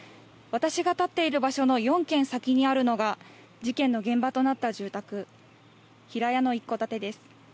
私が立っている場所の４軒先にあるのが事件の現場となった住宅平屋の一戸建てです。